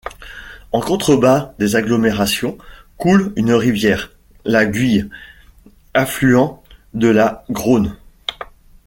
En contrebas des agglomérations, coule une rivière, la Guye, affluent de la Grosne.